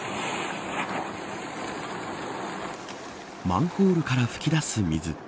マンホールから吹き出す水。